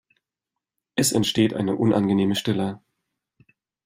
Es entsteht eine unangenehme Stille.